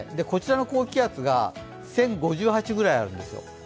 こちらの高気圧が１０５８くらいあるんですよ。